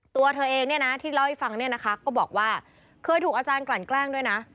ตัวเธอเองที่เล่าให้ฟังก็บอกว่าเคยถูกอาจารย์กลั่นแกล้งด้วยนะ